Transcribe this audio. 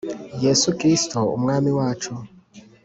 Yesu kristoe umwami wacu